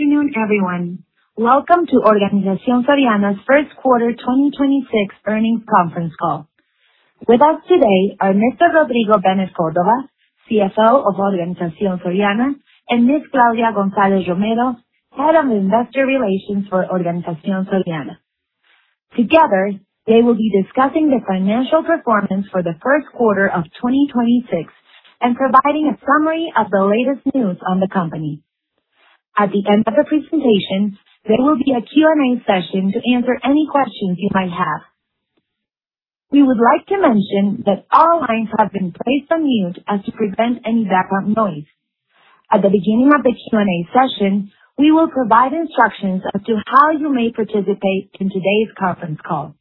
Good afternoon, everyone. Welcome to Organización Soriana's first quarter 2026 earnings conference call. With us today are Mr. Rodrigo Benet Córdova, CFO of Organización Soriana, and Ms. Claudia González Romero, Head of Investor Relations for Organización Soriana. Together, they will be discussing the financial performance for the first quarter of 2026 and providing a summary of the latest news on the company. At the end of the presentation, there will be a Q&A session to answer any questions you might have. We would like to mention that all lines have been placed on mute so as to prevent any background noise. At the beginning of the Q&A session, we will provide instructions on how you may participate in today's conference call.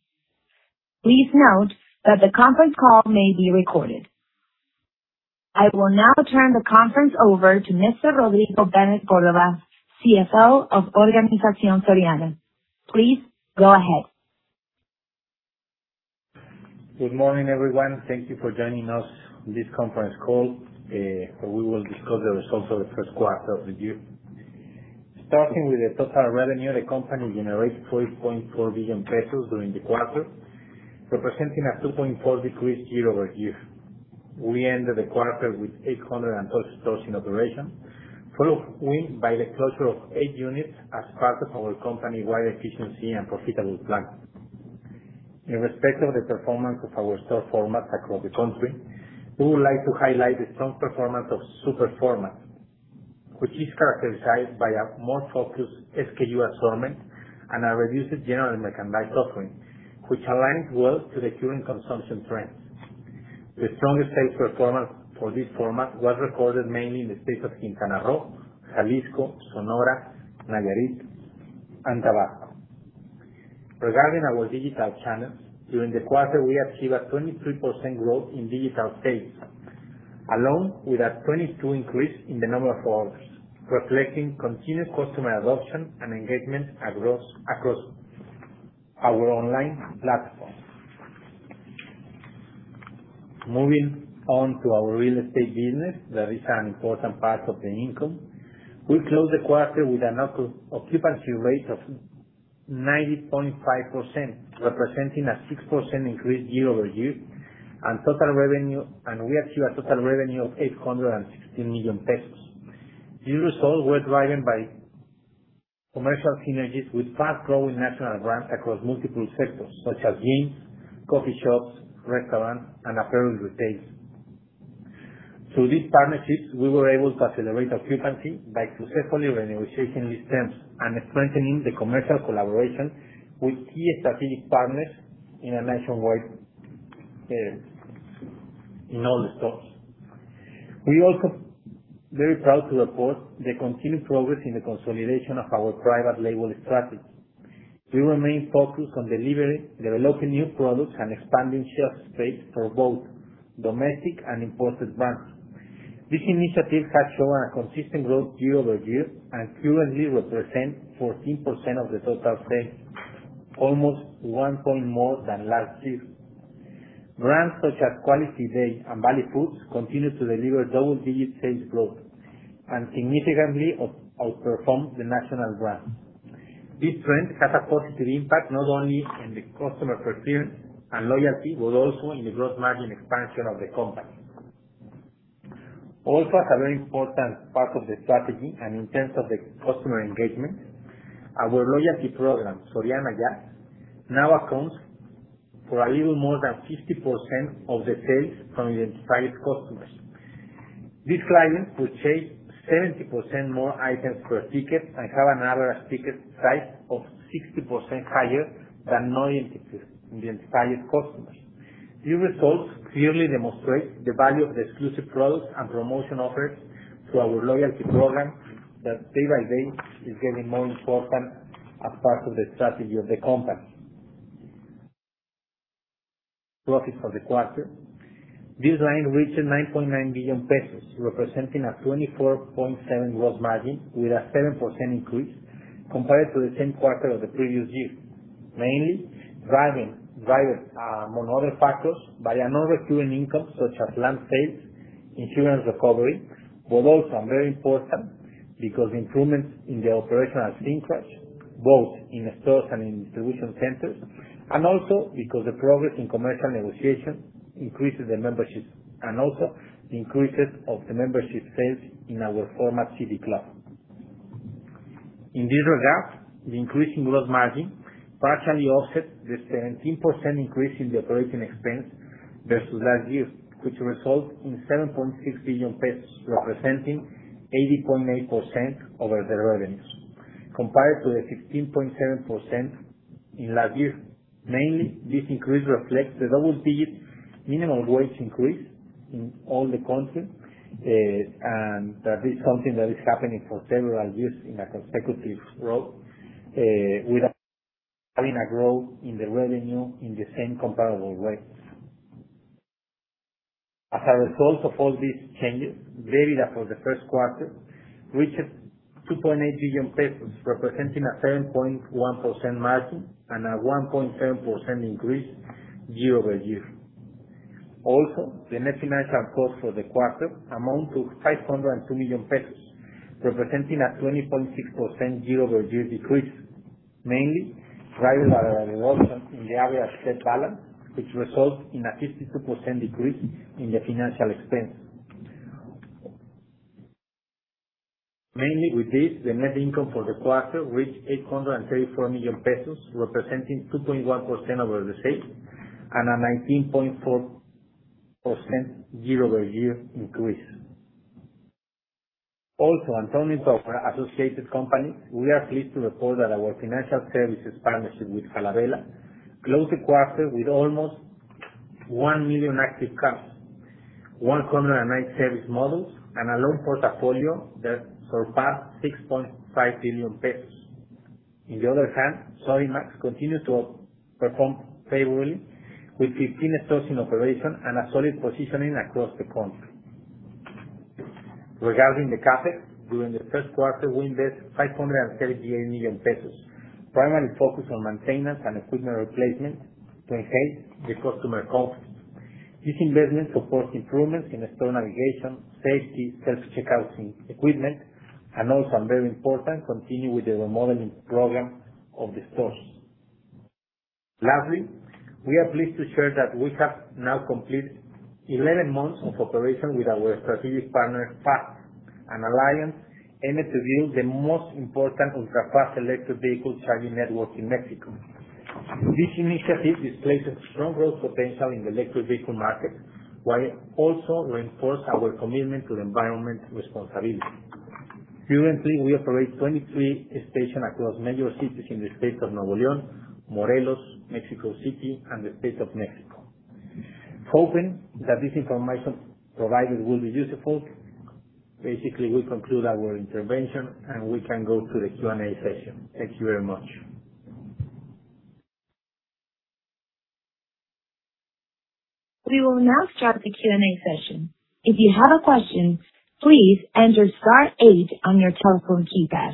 Please note that the conference call may be recorded. I will now turn the conference over to Mr. Rodrigo Benet Córdova, CFO of Organización Soriana. Please go ahead. Good morning, everyone. Thank you for joining us on this conference call. We will discuss the results of the first quarter of the year. Starting with the total revenue, the company generated 12.4 billion pesos during the quarter, representing a 2.4% decrease year-over-year. We ended the quarter with 832 stores in operation, followed by the closure of eight units as part of our company-wide efficiency and profitability plan. In respect of the performance of our store format across the country, we would like to highlight the strong performance of the super format, which is characterized by a more focused SKU assortment and a reduced general merchandise offering, which aligns well with the current consumption trends. The strongest sales performance for this format was recorded mainly in the states of Quintana Roo, Jalisco, Sonora, Nayarit, and Tabasco. Regarding our digital channels, during the quarter, we achieved a 23% growth in digital sales, along with a 22 increase in the number of orders, reflecting continued customer adoption and engagement across our online platform. Moving on to our real estate business. That is an important part of the income. We closed the quarter with an occupancy rate of 90.5%, representing a 6% increase year-over-year and a total revenue of 860 million pesos. These results were driven by commercial synergies with fast-growing national brands across multiple sectors such as gyms, coffee shops, restaurants, and apparel retailers. Through these partnerships, we were able to accelerate occupancy by successfully renegotiating these terms and strengthening the commercial collaboration with key strategic partners in all the stores nationwide. We're also very proud to report the continued progress in the consolidation of our private label strategy. We remain focused on delivering, developing new products, and expanding shelf space for both domestic and imported brands. This initiative has shown consistent growth year-over-year and currently represents 14% of the total sales, almost one point more than last year. Brands such as Quality Day and Valley Foods continue to deliver double-digit sales growth and significantly outperform the national brands. This trend has a positive impact not only on customer preference and loyalty, but also in the gross margin expansion of the company. Also, as a very important part of the strategy and in terms of customer engagement, our loyalty program, Soriana Ya, now accounts for a little more than 50% of the sales from identified customers. These clients will change 70% more items per ticket and have an average ticket size of 60% higher than non-identified customers. These results clearly demonstrate the value of the exclusive products and promotion offers to our loyalty program which is getting more important day by day as part of the strategy of the company. Profit for the quarter. This line reached 9.9 billion pesos, representing a 24.7% gross margin with a 7% increase compared to the same quarter of the previous year. Mainly driven, among other factors, by a non-recurring income such as land sales, and insurance recovery. Also are very important because of improvements in the operational synergies, both in stores and in distribution centers, and also because the progress in commercial negotiation increases the membership and also increases the membership sales in our format City Club. In this regard, the increase in gross margin partially offset the 17% increase in the operating expense versus last year, which resulted in 7.6 billion pesos, representing 80.8% over the revenues compared to the 15.7% in last year. Mainly, this increase reflects the double-digit minimum wage increase in the entire country, and that is something that is happening for several years in a row, with a growth in revenue in the same comparable way. As a result of all these changes, EBITDA for the first quarter reached 2.8 billion pesos, representing a 10.1% margin and a 1.10% increase year-over-year. Also, the net financial cost for the quarter amounts to 502 million pesos, representing a 20.6% year-over-year decrease, mainly driven by a reduction in the area of debt balance, which results in a 52% decrease in the financial expense. Mainly with this, the net income for the quarter reached 834 million pesos, representing 2.1% over the same period and a 19.4% year-over-year increase. On the Associated Companies, we are pleased to report that our financial services partnership with Falabella closed the quarter with almost 1 million active customers, 109 service modules, and a loan portfolio that surpassed 6.5 billion pesos. On the other hand, Sodimac continued to perform favorably with 15 stores in operation and a solid positioning across the country. Regarding the CapEx, during the first quarter, we invested 538 million pesos, primarily focused on maintenance and equipment replacement to enhance customer comfort. This investment supports improvements in the store navigation, safety, self-checkout equipment, and, very importantly, continues with the remodeling program of the stores. Lastly, we are pleased to share that we have now completed 11 months of operation with our strategic partner, FAZT, an alliance aimed at building the most important ultra-fast electric vehicle charging network in Mexico. This initiative displays a strong growth potential in the electric vehicle market, while also reinforcing our commitment to environmental responsibility. Currently, we operate 23 stations across major cities in the state of Nuevo León, Morelos, Mexico City, and the State of Mexico. Hoping that this information provided will be useful, basically, we conclude our intervention, and we can go to the Q&A session. Thank you very much. We will now start the Q&A session. If you have a question, please enter star eight on your telephone keypad.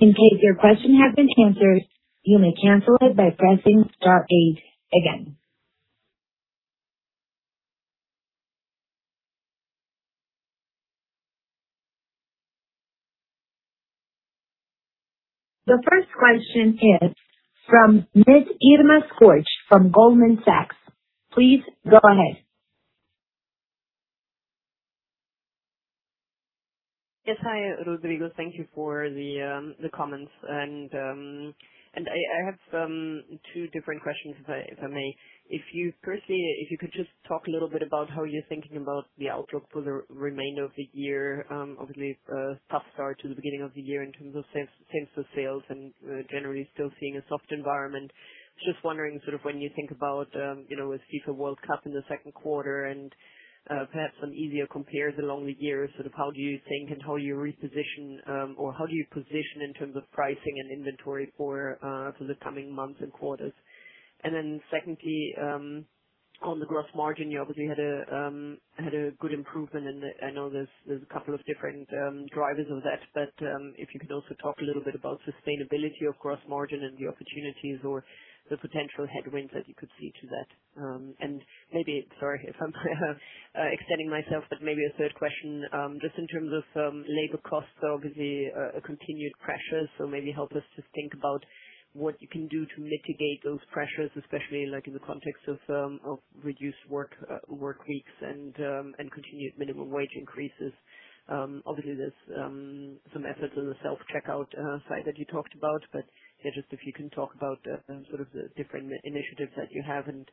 In case your question has been answered, you may cancel it by pressing star eight again. The first question is from Ms. Irma Sgarz from Goldman Sachs. Please go ahead. Yes. Hi, Rodrigo. Thank you for the comments. I have two different questions if I may. If you, firstly, if you could just talk a little bit about how you're thinking about the outlook for the remainder of the year. Obviously, tough start to the beginning of the year in terms of same-store sales, and we're still generally seeing a soft environment. Just wondering sort of when you think about you know, a FIFA World Cup in the second quarter and perhaps some easier compares along the year. Sort of how do you think and how you reposition or how you position in terms of pricing and inventory for the coming months and quarters? Secondly, on the gross margin, you obviously had a good improvement in the... I know there's a couple of different drivers of that. If you could also talk a little bit about the sustainability of gross margin and the opportunities or the potential headwinds that you could see to that. Maybe, sorry if I'm extending myself, but maybe a third question. Just in terms of labor costs are obviously a continued pressure. Maybe help us just think about what you can do to mitigate those pressures, especially in the context of reduced workweeks and continued minimum wage increases. Obviously, there's some methods on the self-checkout side that you talked about, but yeah, just if you can talk about sort of the different initiatives that you have and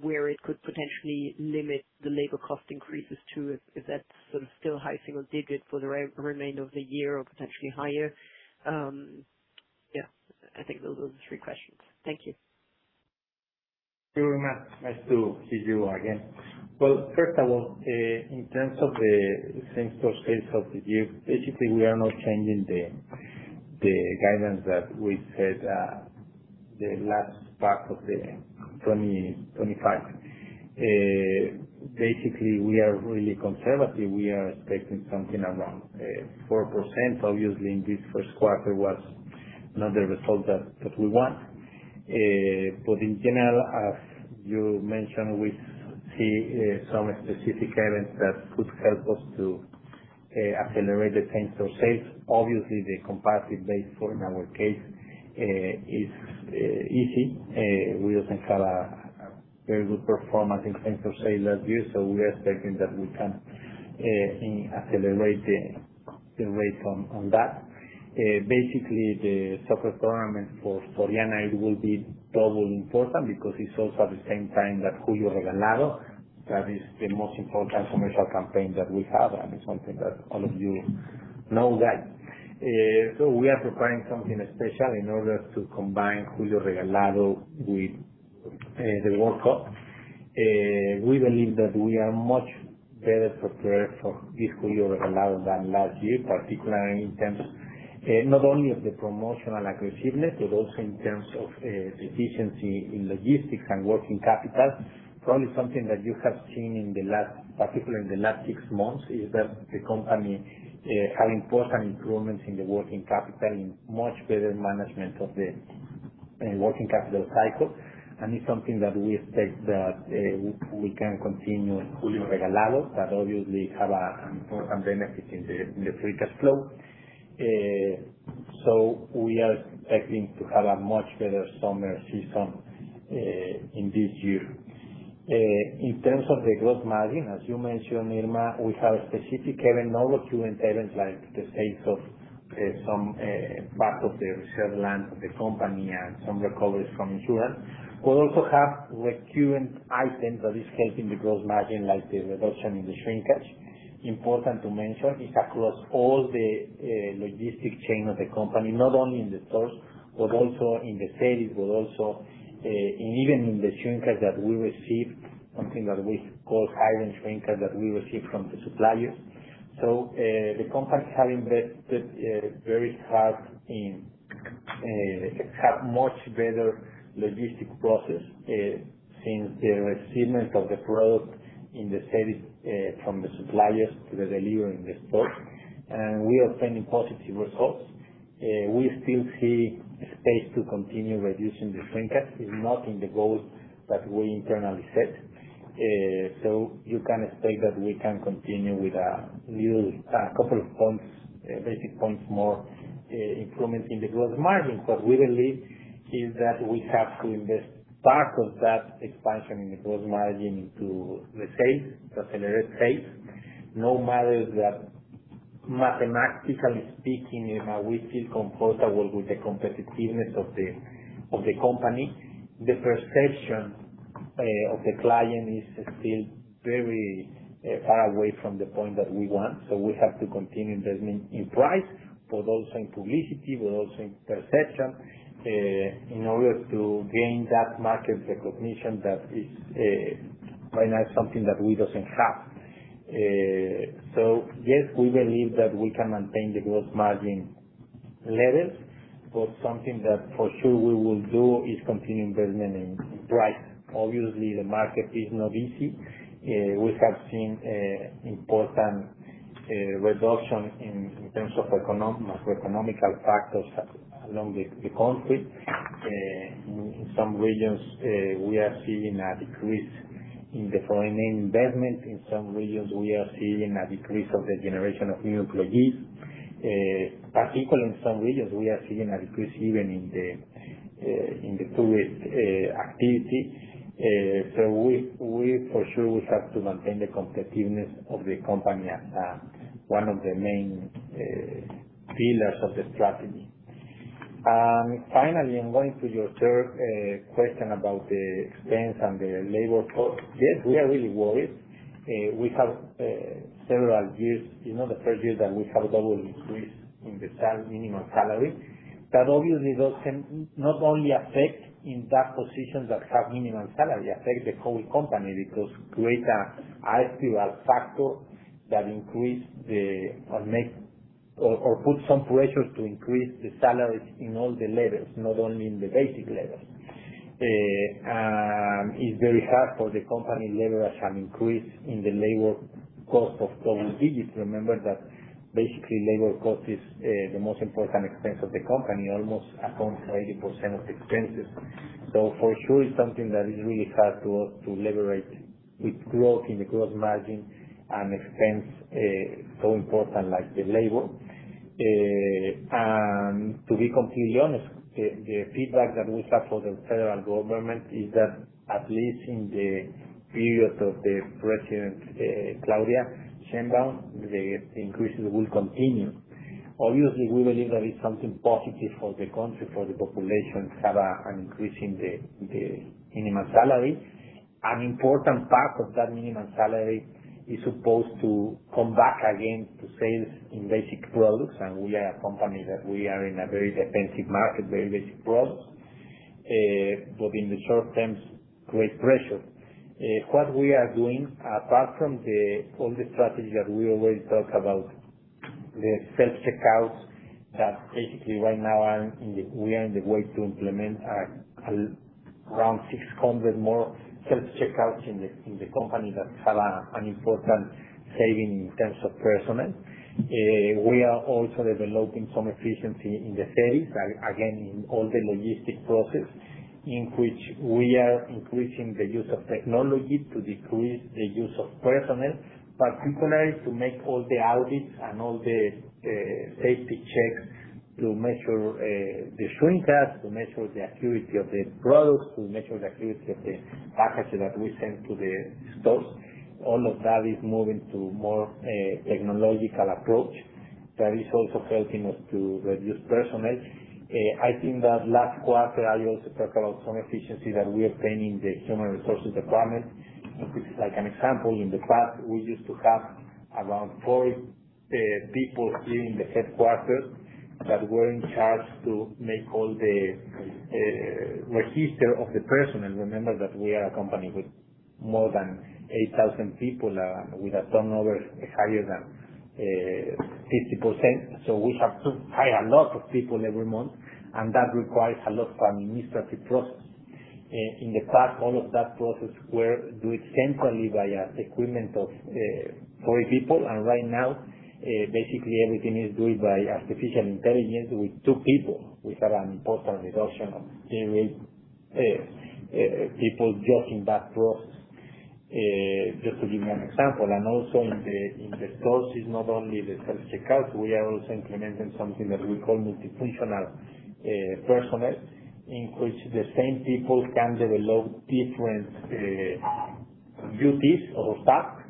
where it could potentially limit the labor cost increases, too. Is that sort of still high single digit for the remainder of the year or potentially higher? Yeah, I think those are the three questions. Thank you. Thank you, Irma. Nice to see you again. Well, first of all, in terms of the same-store sales for the year, basically, we are not changing the guidance that we said for the last part of 2025. Basically, we are really conservative. We are expecting something around 4%. Obviously, the first quarter was not what we wanted. In general, as you mentioned, we see some specific events that could help us to accelerate the same-store sales. Obviously, the comparative base for, in our case, is easy. We also had a very good performance in same-store sales last year, so we are expecting that we can accelerate the rate on that. Basically, the soccer tournament for Soriana will be doubly important because it's also at the same time as the Julio Regalado. That is the most important commercial campaign that we have, and it's something that all of you know. We are preparing something special in order to combine Julio Regalado with the World Cup. We believe that we are much better prepared for this Julio Regalado than last year, particularly in terms of not only of the promotional aggressiveness but also in terms of efficiency in logistics and working capital. Probably something that you have seen in the last, particularly in the last six months, is that the company has important improvements in the working capital and much better management of the working capital cycle, and it's something that we expect that we can continue fully, which obviously has an important benefit in the free cash flow. We are expecting to have a much better summer season this year. In terms of the gross margin, as you mentioned, Irma, we have specific events, non-recurring events like the sales of some part of the reserved land of the company, and some recoveries from insurance. We also have recurring items that are helping the gross margin, like the reduction in the shrinkage. Important to mention, it's across all the logistics chain of the company, not only in the stores, but also in the sales, and even in the shrinkage that we receive, something that we call higher shrinkage that we receive from the suppliers. The company has invested very hard in having a much better logistics process from the receipt of the product from the suppliers to the delivery in the stores. We are seeing positive results. We still see space to continue reducing the shrinkage. It's not in the goals that we internally set. You can expect that we can continue with a little, a couple of basis points more improvement in the gross margin. What we believe is that we have to invest part of that expansion in the gross margin into the sales, to accelerate sales. No matter that mathematically speaking, Irma, we feel comfortable with the competitiveness of the company. The perception of the client is still very far away from the point that we want. We have to continue investing in price, but also in publicity, and in perception, in order to gain that market recognition that is right now something that we don't have. Yes, we believe that we can maintain the gross margin levels, but something that is for sure we will do is continue investing in price. Obviously, the market is not easy. We have seen an important reduction in terms of economic factors along the country. In some regions, we are seeing a decrease in foreign investment. In some regions, we are seeing a decrease in the generation of new employees. Particularly in some regions, we are seeing a decrease even in tourist activity. We for sure have to maintain the competitiveness of the company as one of the main pillars of the strategy. Finally, going to your third question about the expense and the labor cost. Yes, we are really worried. We have several years, you know, the first year that we have a double increase in the minimum salary. That obviously can not only affect those positions that have a minimum salary, but also affect the whole company because create an upward factor that increase or make or put some pressures to increase the salaries at all levels, not only in the basic levels. It's very hard for the company to leverage an increase in labor costs of double-digits. Remember that basically, labor cost is the most important expense of the company, almost accounts for 80% of expenses. For sure, it's something that is really hard to leverage with growth in the gross margin and expense so important like the labor. To be completely honest, the feedback that we have for the federal government is that, at least in the period of President Claudia Sheinbaum, the increases will continue. Obviously, we believe that it's something positive for the country, for the population, to have an increase in the minimum salary. An important part of that minimum salary is supposed to come back again to sales in basic products. We are a company that is in a very defensive market, with very basic products. But in the short term, it creates pressure. What we are doing, apart from all the strategies that we already talked about, is the self-checkouts, which basically right now are on the way to implement around 600 more self-checkouts in the company, which have an important saving in terms of personnel. We are also developing some efficiency in the sales. Again, in all the logistics processes in which we are increasing the use of technology to decrease the use of personnel, particularly to make all the audits and all the safety checks to make sure the shrinkages, to make sure the accuracy of the products, to make sure the accuracy of the packages that we send to the stores. All of that is moving to a more technological approach that is also helping us to reduce personnel. I think that last quarter, I also talked about some efficiency that we are seeing in the human resources department. This is like an example. In the past, we used to have around four people here in the headquarters who were in charge of making all the registers of the personnel. Remember that we are a company with more than 8,000 people, with a turnover higher than 50%. We have to hire a lot of people every month, and that requires a lot of administrative process. In the past, all of that process were do it centrally via the equipment of four people. Right now, basically everything is doing by artificial intelligence with two people. We've had an important reduction in the rate; people are just in that process. Just to give you an example, also in the stores is not only the self-checkouts, but we are also implementing something that we call multifunctional personnel, in which the same people can develop different duties or tasks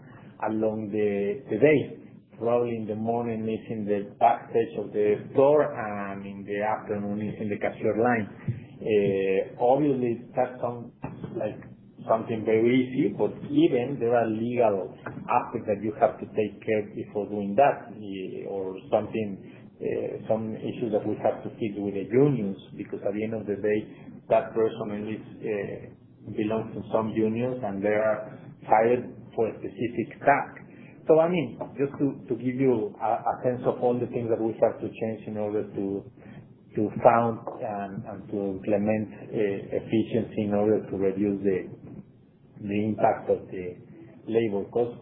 along the day. Probably in the morning is backstage of the store, and in the afternoon is in the cashier line. Obviously, that sounds like something very easy, but even though there are legal aspects that you have to take care of before doing that, or something, some issues that we have to fix with the unions because at the end of the day, that person at least belongs to some unions and they are hired for a specific task. I mean, just to give you a sense of all the things that we have to change in order to find and to implement efficiency in order to reduce the impact of labor costs.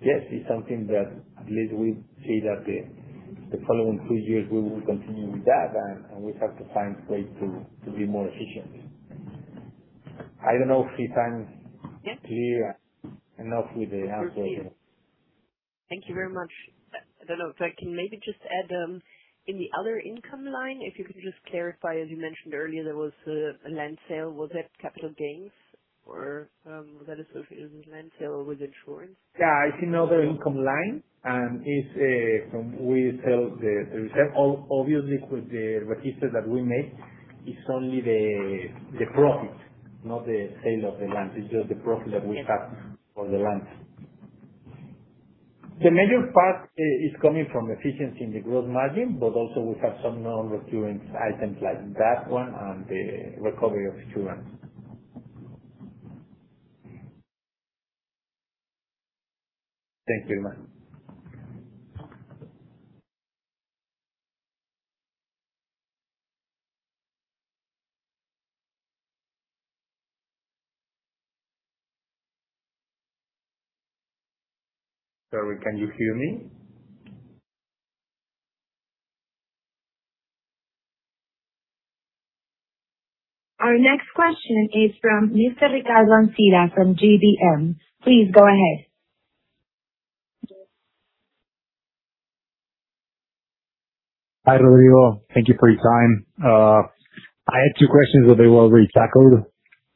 Yes, it's something that at least we see that the following three years we will continue with that and we have to find ways to be more efficient. I don't know if it sounds. Yes. Clear enough with the answer. Thank you very much. I don't know if I can, maybe just add, in the other income line, if you could just clarify, as you mentioned earlier, there was a land sale. Was that capital gains, or was that associated with land sale or with insurance? It's another income line, and it's from when we sell the reserves. Obviously, with the recognition that we make, it's only the profit, not the sale of the land. It's just the profit that we have for the land. The major part is coming from efficiency in the gross margin, but we also have some non-recurring items like that one and the recovery of insurance. Thank you. Sorry, can you hear me? Our next question is from Mr. Ricardo Mancilla from GBM. Please go ahead. Hi, Rodrigo. Thank you for your time. I had two questions, but they were already tackled.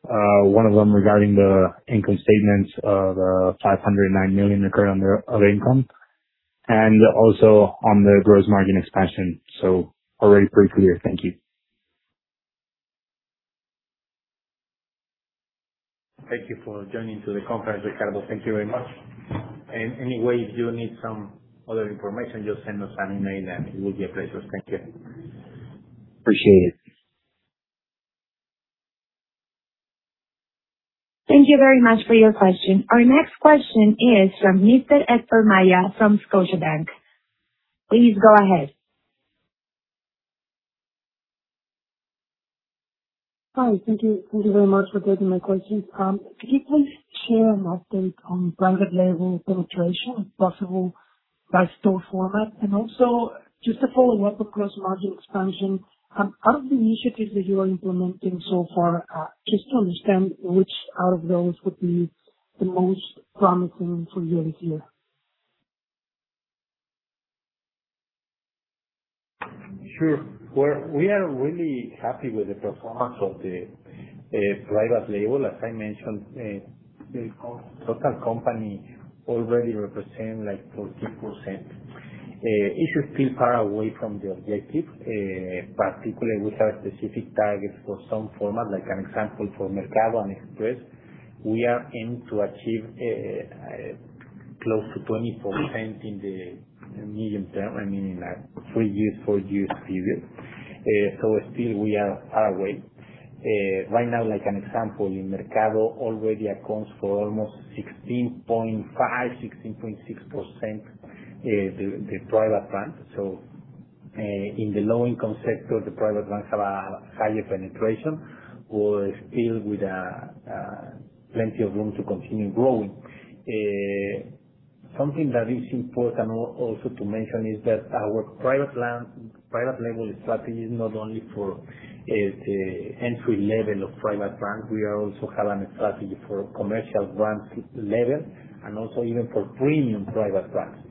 One of them regarding the income statement of 509 million in other income. Also, on the gross margin expansion. Already pretty clear. Thank you. Thank you for joining the conference, Ricardo. Thank you very much. Anyway, if you need some other information, just send us an email, and it will be a pleasure. Thank you. Appreciate it. Thank you very much for your question. Our next question is from Mr. Héctor Maya from Scotiabank. Please go ahead. Hi. Thank you. Thank you very much for taking my questions. Could you please share an update on private label penetration, if possible, by store format? Also, just a follow-up, of course, on margin expansion out of the initiatives that you are implementing so far, just to understand which out of those would be the most promising for year-over-year? Sure. We're really happy with the performance of the private label. As I mentioned, the total company already represents like 14%. It is still far away from the objective. Particularly, we have specific targets for some format. Like an example for Mercado and Express, we aim to achieve close to 20% in the medium term, I mean, in a three-year, four-year period. Still, we are far away. Right now, like an example, Mercado already accounts for almost 16.5%, 16.6% the private brand. In the low-income sector, the private brands have a higher penetration. We're still with plenty of room to continue growing. Something that is also important to mention is that our private label strategy is not only for the entry-level private brand. We also have a strategy for commercial brand level and for premium private brands.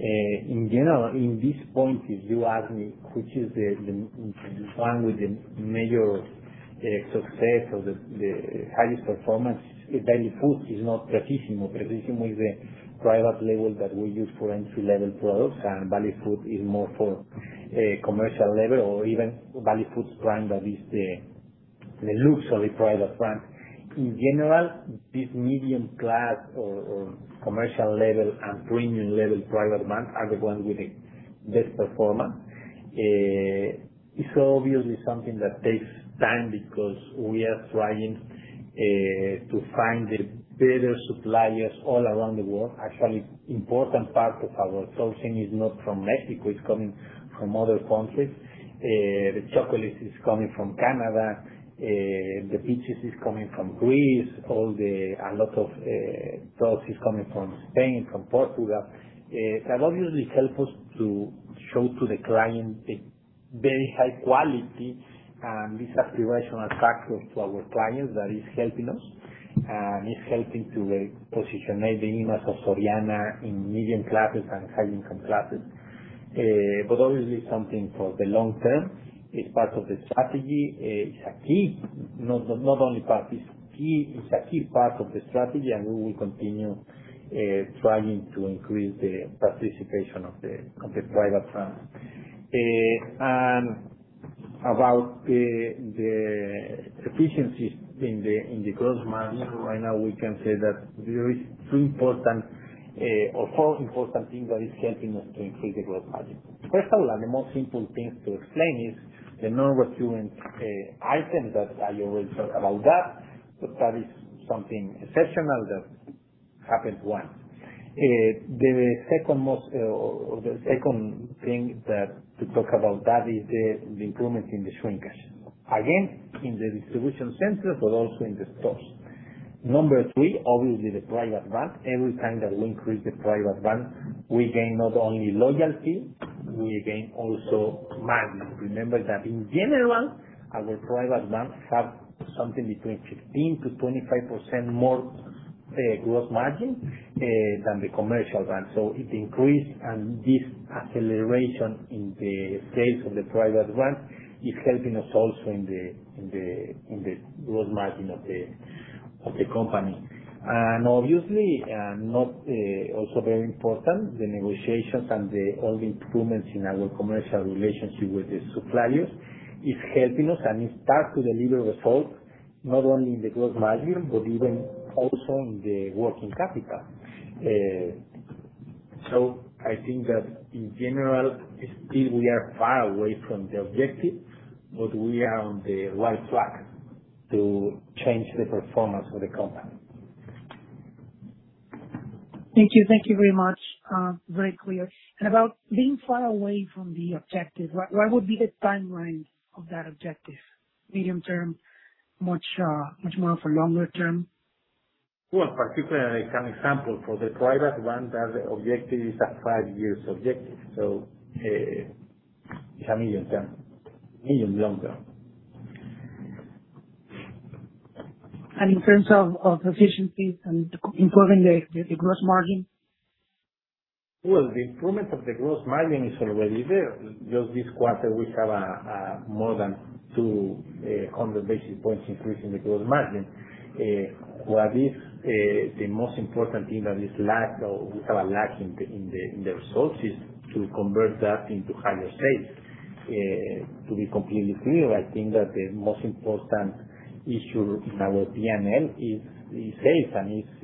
In general, at this point, if you ask me which is the one with the major success or the highest performance, Valley Foods is not Precíssimo. Precíssimo is a private label that we use for entry-level products, and Valley Foods is more for commercial level or even the Valley Foods brand, which is a luxury private brand. In general, this medium class or commercial level and premium level private brands are the ones with the best performance. It's obviously something that takes time because we are trying to find better suppliers all around the world. Actually, an important part of our sourcing is not from Mexico. It's coming from other countries. The chocolate is coming from Canada. The peaches is coming from Greece. A lot of fruits are coming from Spain, from Portugal. That obviously helps us to show the client the very high quality, and this aspirational factor to our clients that is helping us and is helping to position the image of Soriana in medium classes and high-income classes. But obviously something for the long-term. It's part of the strategy. It's a key. Not only part, but it's also key. It's a key part of the strategy, and we will continue trying to increase the participation of the private brands. About the efficiencies in the gross margin, right now, we can say that there are four important things that are helping us to increase the gross margin. First of all, the simplest thing to explain is the non-recurring item that I already talked about that. That is something exceptional that happened once. The second thing to talk about is the improvement in the shrinkages. Again, in the distribution center, but also in the stores. Number three, obviously the private brands. Every time that we increase the private brands, we gain not only loyalty, we gain also margin. Remember that in general, our private brands have something between 15%-25% more gross margin than the commercial brands. So it increased. This acceleration in the sales of the private brands is also helping us in the gross margin of the company. Obviously, also very important, the negotiations and all the improvements in our commercial relationship with the suppliers are helping us, and it is starting to deliver results, not only in the gross margin, but also in the working capital. I think that in, general, we are still far away from the objective, but we are on the right track to change the performance of the company. Thank you. Thank you very much. Very clear. About being far away from the objective, what would be the timeline of that objective? Medium-term? Much more for the longer term? Well, particularly an example for the private brands, that objective is a five-year objective. So it's a medium-term. Medium long-term. In terms of efficiencies and improving the gross margin? Well, the improvement of the gross margin is already there. Just this quarter, we have more than 200 basis points of increase in the gross margin. What is the most important thing that we lack in the resources to convert into higher sales? To be completely clear, I think that the most important issue in our P&L is sales.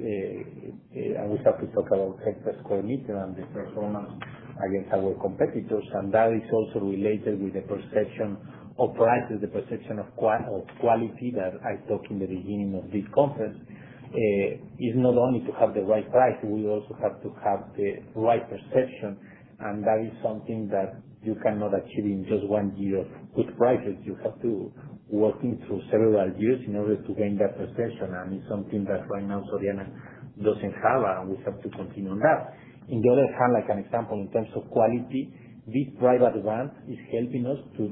We have to talk about sales per square meter and the performance against our competitors, and that is also related to the perception of prices, the perception of quality that I talked about at the beginning of this conference. It is not only about having the right price, but we also have to have the right perception, and that is something that you cannot achieve in just one year of good prices. You have to work through several years in order to gain that perception. It's something that right now Soriana doesn't have, and we have to continue on that. On the other hand, like an example, in terms of quality, this private brand is helping us to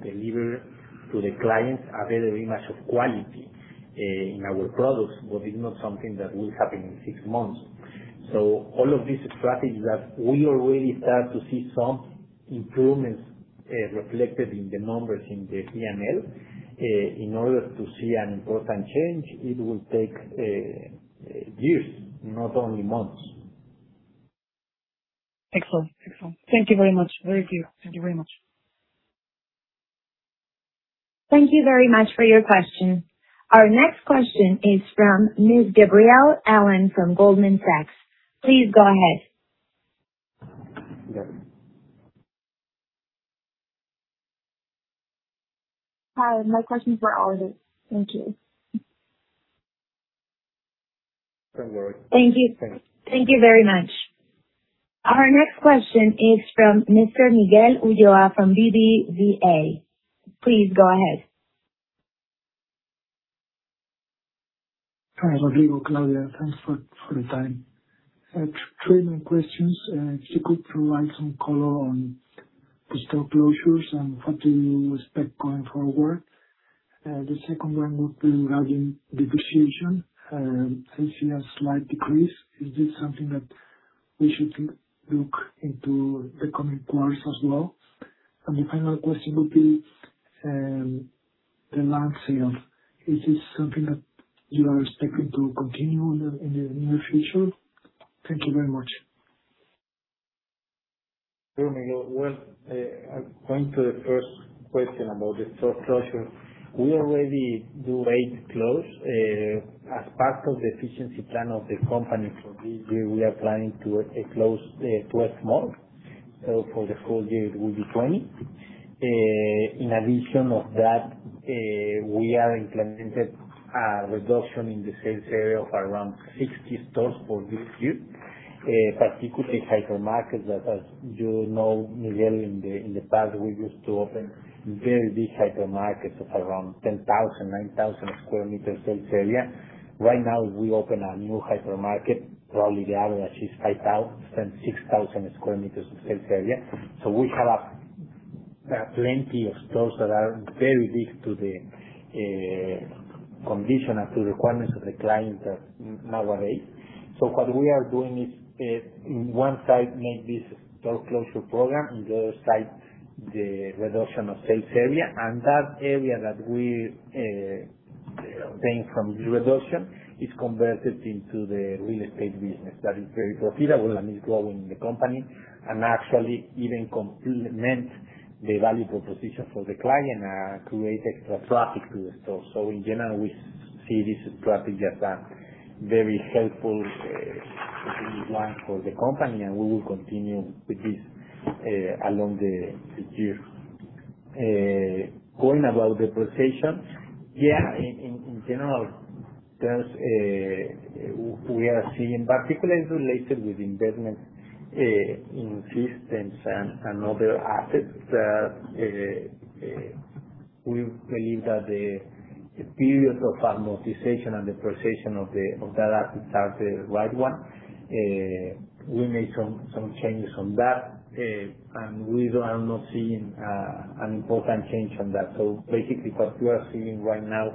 deliver to the clients a better image of quality in our products, but it's not something that will happen in six months. All of these strategies that we have already started to see some improvements reflected in the numbers in the P&L. In order to see an important change, it will take years, not only months. Excellent. Thank you very much. Very clear. Thank you very much. Thank you very much for your question. Our next question is from Ms. Gabrielle Allen from Goldman Sachs. Please go ahead. Hi, my question is for Oliver. Thank you. Hello. Thank you. Thank you very much. Our next question is from Mr. Miguel Ulloa from BBVA. Please go ahead. Hi, Rodrigo, Claudia. Thanks for the time. Three main questions. If you provide some color on the store closures and what you expect going forward? The second one would be around negotiation. I see a slight decrease. Is this something that we should look into in the coming quarters as well? The final question would be the land sale. Is this something that you are expecting to continue in the near future? Thank you very much. Sure, Miguel. Well, going to the first question about the store closure. We already did eight closures. As part of the efficiency plan of the company for this year, we are planning to close 12 more. So for the whole year it will be 20. In addition to that, we are implementing a reduction in the sales area of around 60 stores for this year, particularly hypermarkets that, as you know, Miguel, in the past we used to open very big hypermarkets of around 9,000-10,000 sq m sales area. Right now, we are opening a new hypermarket, probably the average is 5,000-6,000 sq m of sales area. There are plenty of stores that are very big, given the conditions and requirements of the client nowadays. What we are doing is, on one side, making this store closure program. On the other side, the reduction of the sales area. That area that we take from the reduction is converted into the real estate business, which is very profitable and grows the company, and actually even complements the value proposition for the client, creating extra traffic to the store. In general, we see this strategy as a very helpful one for the company, and we will continue with this over the years. Point about depreciation. Yeah, in general, we are seeing particularly related to investment in systems and other assets, and we believe that the periods of amortization and depreciation of those assets are the right ones. We made some changes to that. We are not seeing an important change in that. Basically, what you are seeing right now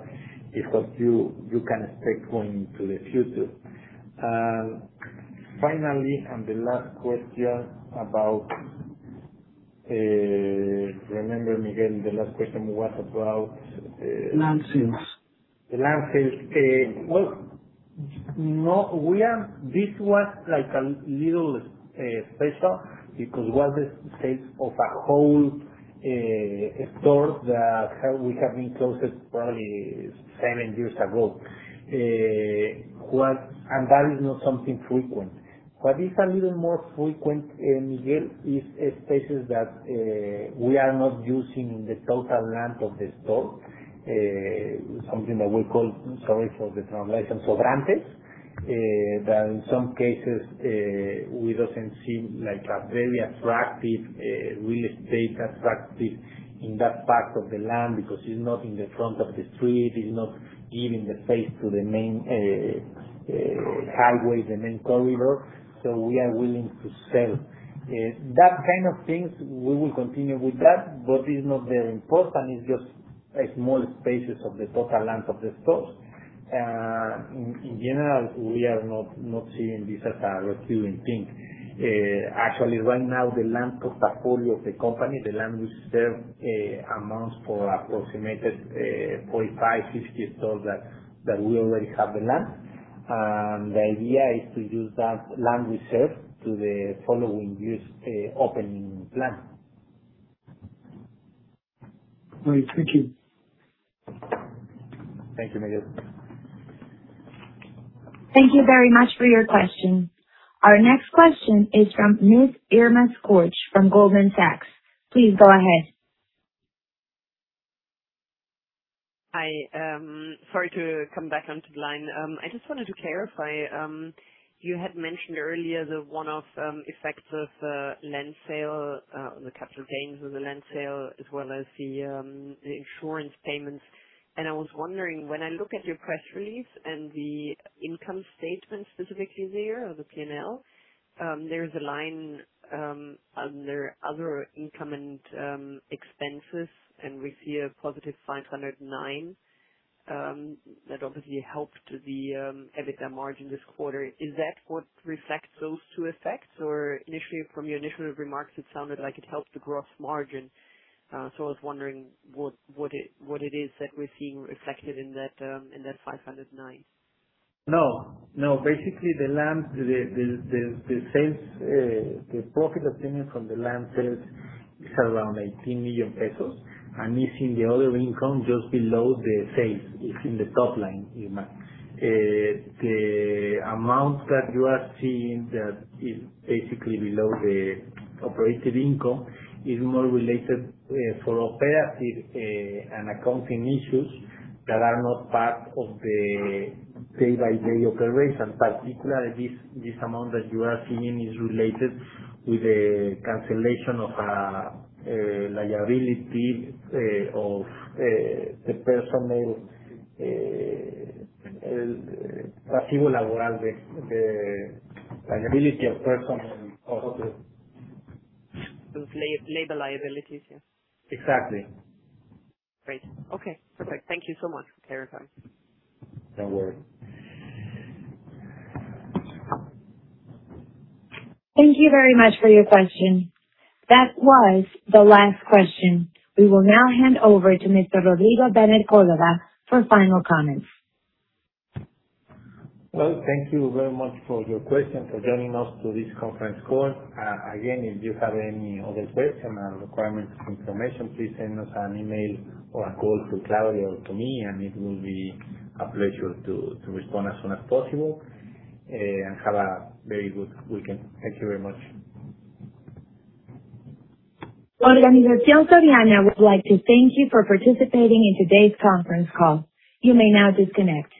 is what you can expect going into the future. Finally, remember, Miguel, the last question was about Land sales. The land sales. Well, no, this was like a little special because it was the sales of a whole store that we closed probably seven years ago. That is not something frequent. What is a little more frequent, Miguel, is spaces that we are not using the total land of the store. Something that we call, sorry for the translation, sobrantes. In some cases, we don't see like a very attractive real estate in that part of the land because it's not on the front of the street. It's not even facing the main highway, the main corridor. We are willing to sell those kinds of things. We will continue with that, but it's not very important. It's just a small space of the total land of the stores. In general, we are not seeing this as a recurring thing. Actually, right now, the land portfolio of the company, the land reserve, amounts to approximately 45-50 stores that we already have the land. The idea is to use that land reserve for the following year's opening plan. All right. Thank you. Thank you, Miguel. Thank you very much for your question. Our next question is from Ms. Irma Sgarz from Goldman Sachs. Please go ahead. Sorry to come back onto the line. I just wanted to clarify. You had mentioned earlier the one-off effects of land sale, the capital gains on the land sale, as well as the insurance payments. I was wondering, when I look at your press release and the income statement specifically, there, or the P&L, there's a line under other income and expenses, and we see a positive 509. That obviously helped the EBITDA margin this quarter. Is that what reflects those two effects? Or initially, from your initial remarks, it sounded like it helped the gross margin. I was wondering what it is that we're seeing reflected in that 509. No, no. Basically, the land sales, the profit obtained from the land sales is around 18 million pesos. You see the other income just below the sales. It's in the top line, Irma. The amount that you are seeing that is basically below the operating income is more related for operative and accounting issues that are not part of the day-to-day operation. Particularly, this amount that you are seeing is related to the cancellation of a liability of the personnel. How do you elaborate on the liability of persons of the- Those labor liabilities, yeah. Exactly. Great. Okay, perfect. Thank you so much for clarifying. Don't worry. Thank you very much for your question. That was the last question. We will now hand over to Mr. Rodrigo Benet Córdova for final comments. Well, thank you very much for your question, for joining us on this conference call. Again, if you have any other questions or information requirements, please send us an email or call Claudia or me, and it will be a pleasure to respond as soon as possible. Have a very good weekend. Thank you very much. Organización Soriana would like to thank you for participating in today's conference call. You may now disconnect.